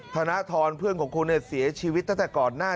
ธนทรเพื่อนของคุณเนี่ยเสียชีวิตตั้งแต่ก่อนหน้า